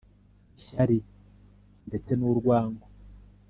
ishyari ndetse n’urwango